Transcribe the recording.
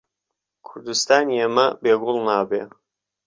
کوردستانی ئێمە بێ گوڵ نابێ